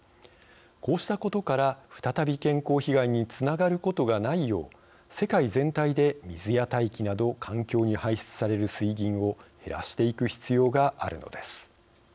こうしたことから再び健康被害につながることがないよう世界全体で水や大気など環境に排出される水銀を減らしていく必要があるのです。